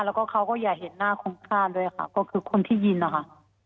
แล้วก็เขาก็อย่าเห็นหน้าคุ้มค่าด้วยค่ะก็คือคนที่ยินนะคะ